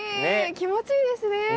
気持ちいいですね。